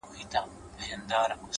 • درلېږل چي مي نظمونه هغه نه یم ,